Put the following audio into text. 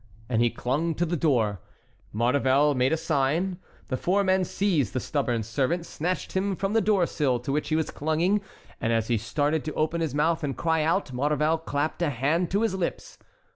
And he clung to the door. Maurevel made a sign. The four men seized the stubborn servant, snatched him from the door sill to which he was clinging, and as he started to open his mouth and cry out, Maurevel clapped a hand to his lips.